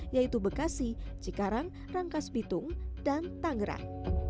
yaitu bekasi cikarang rangkas bitung dan tangerang